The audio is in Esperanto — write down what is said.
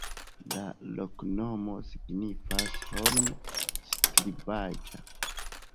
La loknomo signifas: holmo-skribaĵa.